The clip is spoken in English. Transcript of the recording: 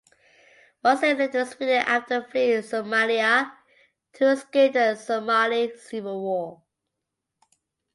Warsame lived in Sweden after fleeing Somalia to escape the Somali Civil War.